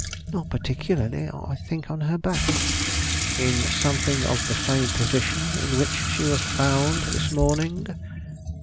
"Not particularly. I think on her back." "In something of the same position in which she was found this morning?"